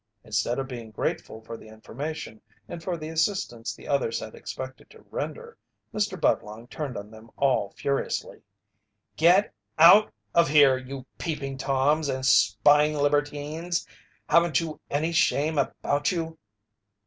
Instead of being grateful for the information, and for the assistance the others had expected to render, Mr. Budlong turned upon them all furiously: "Get out of here you Peeping Toms and spying libertines! Haven't you any shame about you?"